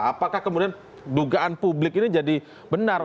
apakah kemudian dugaan publik ini jadi benar